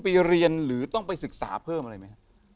ไปเรียนหรือต้องไปศึกษาเพิ่มอะไรไหมครับ